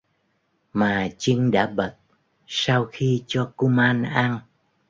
Mà chinh đã bật sau khi cho kuman ăn